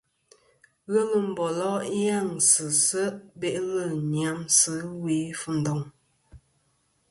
Ghelɨ mbòlo' nyaŋsɨ se' be'lɨ nyamsɨ ɨwe Fundong.